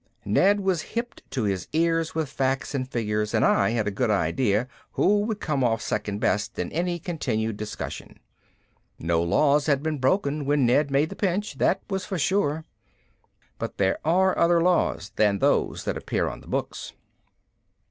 Ned was hipped to his ears with facts and figures and I had a good idea who would come off second best in any continued discussion. No laws had been broken when Ned made the pinch, that was for sure. But there are other laws than those that appear on the books.